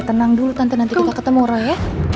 tentang dulu tante nanti kita ketemu roy ya